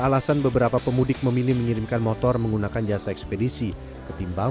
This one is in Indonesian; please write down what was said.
alasan beberapa pemudik memilih mengirimkan motor menggunakan jasa ekspedisi ketimbang